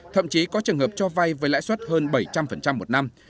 thậm chí có trường hợp cho vay với lãi suất hơn bảy trăm linh một năm